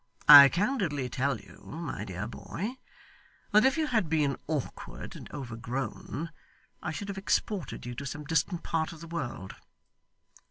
I candidly tell you, my dear boy, that if you had been awkward and overgrown, I should have exported you to some distant part of the world.